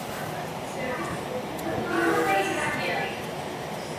ამას გზების ცუდი მდგომარეობით ხსნიან.